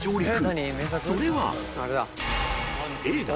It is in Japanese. ［それは］